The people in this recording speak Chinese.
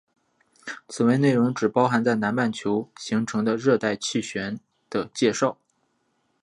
此文内容只包含在南半球形成的热带气旋的介绍。